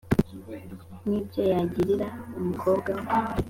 nk ibyo yagirira umukobwa we